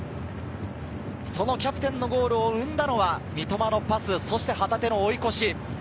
そのキャプテンのゴールを生んだのは三笘のパス、そして旗手の追い越し。